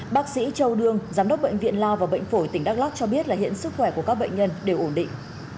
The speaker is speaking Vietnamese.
bác sĩ châu đương giám đốc bệnh viện lao và bệnh phổi tỉnh đắk lắc cho biết là hiện sức khỏe của các bệnh nhân đều ổn định